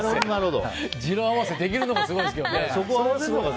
二朗合わせできるのがすごいですね。